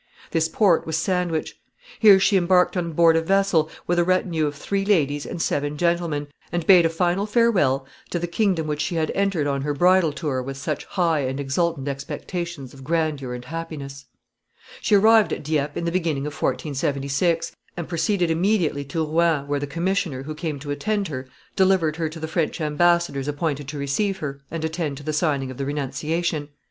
This port was Sandwich. Here she embarked on board a vessel, with a retinue of three ladies and seven gentlemen, and bade a final farewell to the kingdom which she had entered on her bridal tour with such high and exultant expectations of grandeur and happiness. [Sidenote: At Rouen.] She arrived at Dieppe in the beginning of 1476, and proceeded immediately to Rouen, where the commissioner, who came to attend her, delivered her to the French embassadors appointed to receive her, and attend to the signing of the renunciation. [Sidenote: Her renunciation.